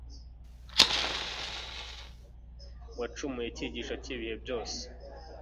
wacumuye icyigisho cy’ibihe byose.